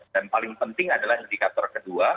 dan paling penting adalah indikator kedua